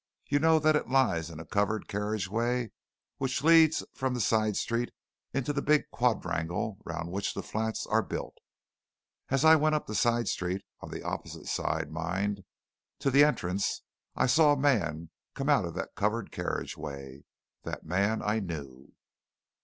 You know that it lies in a covered carriage way which leads from the side street into the big quadrangle round which the flats are built. As I went up the side street, on the opposite side, mind, to the entrance, I saw a man come out of the covered carriage way. That man I knew!"